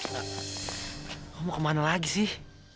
kamu kemana lagi sih